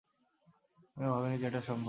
আমি ভাবিনি যে এটা সম্ভব।